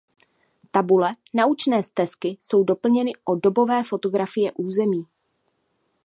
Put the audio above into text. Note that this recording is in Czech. Tabule naučné stezky jsou doplněny o dobové fotografie území.